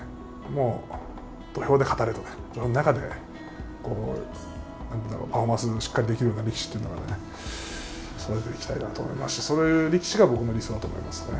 もう土俵で語れとね土俵の中でパフォーマンスしっかりできるような力士っていうのはね育てていきたいなと思いますしそういう力士が僕の理想だと思いますね。